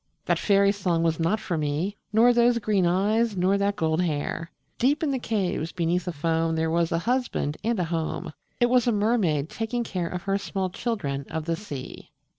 That fairy song was not for me, Nor those green eyes, nor that gold hair; Deep in the caves beneath the foam There was a husband and a home It was a mermaid taking care Of her small children of the sea.